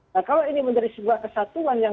nah kalau ini menjadi sebuah kesatuan yang